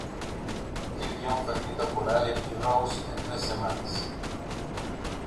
El guion fue escrito por Allen y Rose en tres semanas.